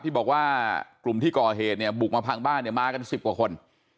ที่บอกว่ากลุ่มที่ก่อเหตุบุกมาพังบ้านมาก็๑๐กว่าคน